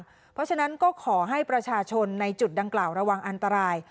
เพราะฉะนั้นก็ขอให้ประชาชนในจุดดังกล่าวระวังอันตราย